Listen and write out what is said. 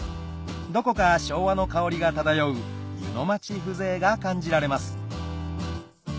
どこか昭和の香りが漂う湯の町風情が感じられます